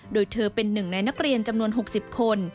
โดยเธอเป็นหนึ่งในนักเรียนจำนวน๖๐คน